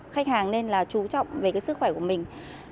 khách hàng nên là chú trọng về cái sức khỏe của mình